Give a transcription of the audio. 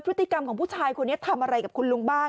พฤติกรรมของผู้ชายคนนี้ทำอะไรกับคุณลุงบ้าง